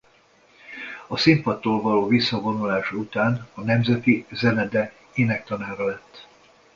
A színpadtól való visszavonulása után a Nemzeti Zenede énektanára lett.